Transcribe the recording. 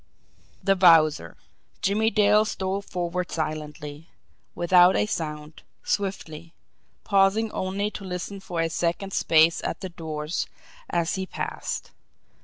The Wowzer! Jimmie Dale stole forward silently, without a sound, swiftly pausing only to listen for a second's space at the doors as he passed.